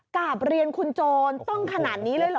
กราบเรียนคุณโจรต้องขนาดนี้เลยเหรอ